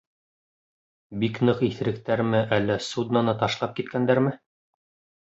Бик ныҡ иҫеректәрме, әллә судноны ташлап киткәндәрме?